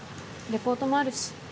リポートもあるし。